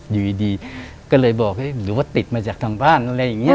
อยู่ดีก็เลยบอกหรือว่าติดมาจากทางบ้านแล้ว